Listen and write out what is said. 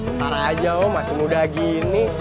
ntar aja om masih muda gini